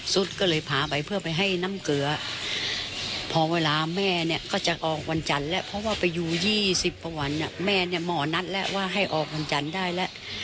สุดก็เลยพาไปเพื่อไปให้น้ำเกลือพอเวลาแม่เนี่ยก็จะออกวันจันทร์แล้วเพราะว่าไปอยู่๒๐กว่าวันแม่เนี่ยหมอนัดแล้วว่าให้ออกวันจันทร์ได้แล้ว